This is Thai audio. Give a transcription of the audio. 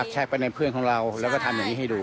แชคไปในเพื่อนของเราแล้วก็ทำอย่างนี้ให้ดู